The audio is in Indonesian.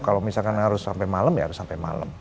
kalau misalkan harus sampai malam ya harus sampai malam